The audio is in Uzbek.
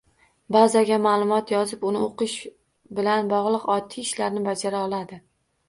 Bazaga ma’lumot yozib, uni o’qish bilan bog’liq oddiy ishlarni bajara oladi